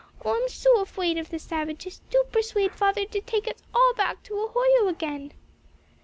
Oh, I'm so afraid of the savages; do persuade father to take us all back to Ohio again!"